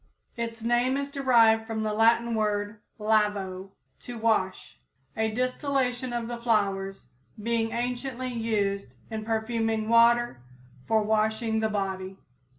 Its name is derived from the Latin word Lavo, to wash, a distillation of the flowers being anciently used in perfuming water for washing the body.